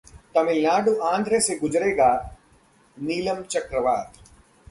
तमिलनाडु, आंध्र से गुजरेगा नीलम चक्रवात